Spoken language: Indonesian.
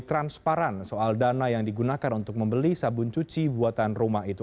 transparan soal dana yang digunakan untuk membeli sabun cuci buatan rumah itu